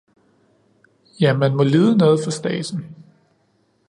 Ja man må lide noget for stadsen!